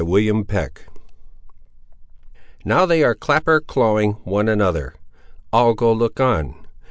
CHAPTER VIII Now they are clapper clawing one another; I'll go look on.